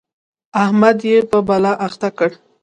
احمد يې په بلا اخته کړ.